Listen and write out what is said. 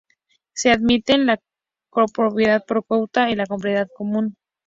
Se admiten la copropiedad por cuota y la copropiedad común.